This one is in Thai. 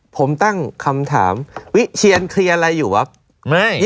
ผมตั้งคำถามวิเชียนเคลียร์อะไรอยู่วะ